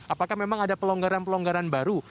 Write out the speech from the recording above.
apakah memang ada pelonggaran pelonggaran baru